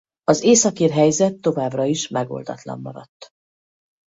Az északír helyzet továbbra is megoldatlan maradt.